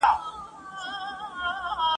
په واسکټ چي یې ښایستې حوري وېشلې !.